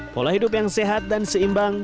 pola hidup yang sehat dan seimbang